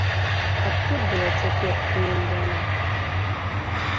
Каб тут была цяпер пры ім яна!